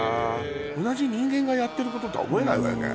同じ人間がやってることとは思えないわよね。